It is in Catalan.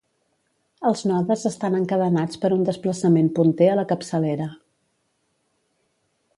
Els nodes estan encadenats per un desplaçament punter a la capçalera.